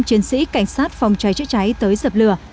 chiến sĩ cảnh sát phòng cháy chữa cháy tới dập lửa